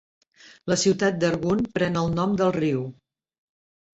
La ciutat d'Argun pren el nom del riu.